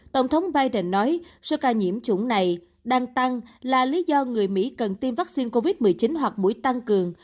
tổng thống biden nói số ca nhiễm chủng này đang tăng là lý do người mỹ cần tiêm vaccine covid một mươi chín hoặc mũi tăng cường